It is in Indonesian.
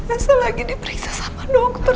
saya lagi diperiksa sama dokter